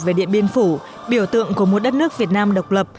về điện biên phủ biểu tượng của một đất nước việt nam độc lập